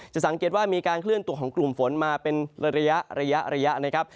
สังเกตว่ามีการเคลื่อนตัวของกลุ่มฝนมาเป็นระยะระยะนะครับ